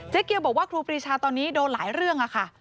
เกียวบอกว่าครูปรีชาตอนนี้โดนหลายเรื่องค่ะ